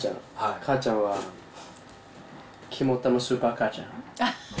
母ちゃんは、肝っ玉スーパー母ちゃん。